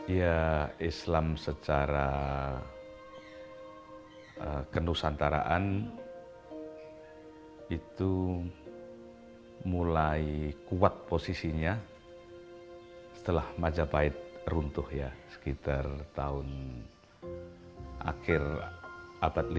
ya islam secara kenusantaraan itu mulai kuat posisinya setelah majapahit runtuh ya sekitar tahun akhir abad lima puluh